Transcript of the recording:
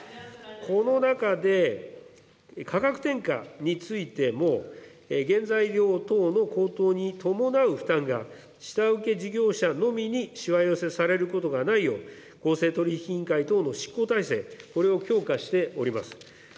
この中で価格転嫁についても、原材料等の高騰に伴う負担が下請事業者のみにしわ寄せされることがないよう、公正取引委員会等の執行体制、これを強化しております。